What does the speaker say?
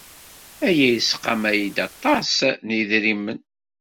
Aya yesqamay-ak-d aṭas n yedrimen.